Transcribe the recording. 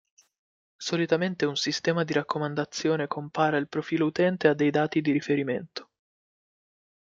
Solitamente un sistema di raccomandazione compara il profilo utente a dei dati di riferimento.